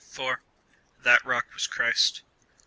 That rock was Christ.